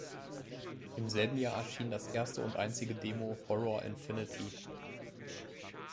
Im selben Jahr erschien das erste und einzige Demo "Horror Infinity".